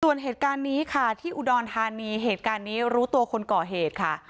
ส่วนเหตุการณ์นี้ค่ะที่อุดรธานีเหตุการณ์นี้รู้ตัวคนก่อเหตุค่ะ